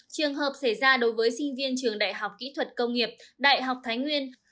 trường hợp xảy ra đối với sinh viên trường đại học kỹ thuật công nghiệp đại học thái nguyên